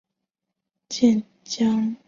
渐江和尚和石涛都曾在此居住。